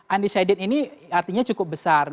undecided ini artinya cukup besar